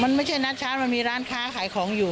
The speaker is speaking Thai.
มันไม่ใช่นัดชาร์จมันมีร้านค้าขายของอยู่